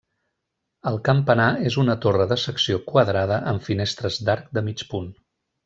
El campanar és una torre de secció quadrada amb finestres d'arc de mig punt.